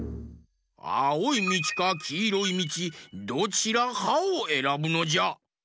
あおいみちかきいろいみちどちらかをえらぶのじゃ。